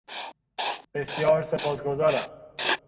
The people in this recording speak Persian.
بسیار سپاسگزارم.